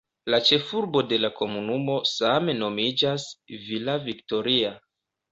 La ĉefurbo de la komunumo same nomiĝas "Villa Victoria".